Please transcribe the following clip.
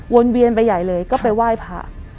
เวียนไปใหญ่เลยก็ไปไหว้พระ